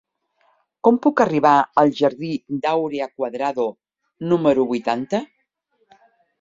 Com puc arribar al jardí d'Áurea Cuadrado número vuitanta?